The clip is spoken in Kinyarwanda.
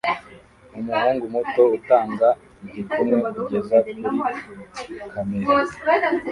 Umuhungu muto utanga igikumwe kugeza kuri kamera